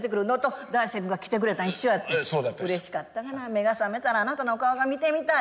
目が覚めたらあなたの顔が見てみたい。